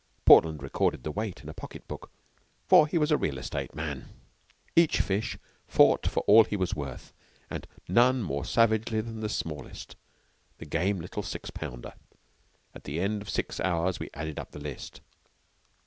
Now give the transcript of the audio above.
Portland recorded the weight in a pocket book, for he was a real estate man. Each fish fought for all he was worth, and none more savagely than the smallest, a game little six pounder. At the end of six hours we added up the list.